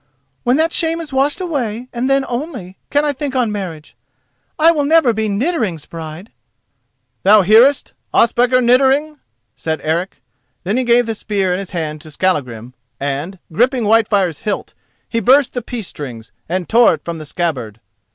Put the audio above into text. When that shame is washed away, and then only, can I think on marriage. I will never be Niddering's bride!" "Thou hearest, Ospakar Niddering?" said Eric. Then he gave the spear in his hand to Skallagrim, and, gripping Whitefire's hilt, he burst the peace strings, and tore it from the scabbard.